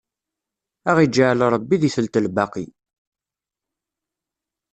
Ad aɣ-iǧɛel Ṛebbi di telt lbaqi!